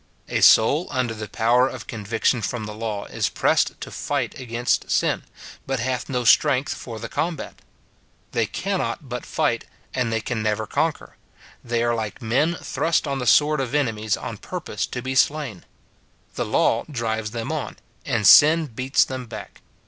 A soul under the power of conviction from the law is pressed to fight against sin, but hath no Strength for the combat. They cannot but fight, and SIN IN BELIEVERS. 175 they can never conquer ; they are like men tlnnist on the sword of enemies on purpose to be slain. The la^o drives them on, and sin beats them back.